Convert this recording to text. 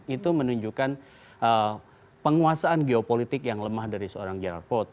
itu menunjukkan penguasaan geopolitik yang lemah dari seorang jenar vod